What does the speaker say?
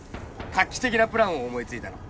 画期的なプランを思いついたの。